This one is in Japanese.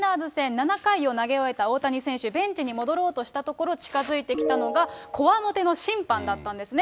７回を投げ終えた大谷選手ベンチに戻ろうとしたところ、近づいてきたのが、こわもての審判だったんですね。